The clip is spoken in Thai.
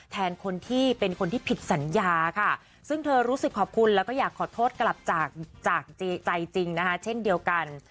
แทนคนที่เป็นคนที่ผิดสัญญาค่ะซึ่งเธอรู้สึกขอบคุณแล้วก็อยากขอโทษกลับจากใจจริงนะคะเช่นเดียวกัน